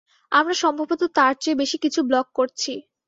আমরা সম্ভবত তার চেয়ে বেশি কিছু ব্লক করছি।